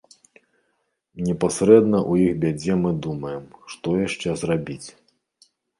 Непасрэдна ў іх бядзе мы думаем, што яшчэ зрабіць.